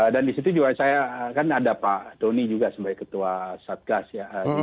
di situ juga saya kan ada pak tony juga sebagai ketua satgas ya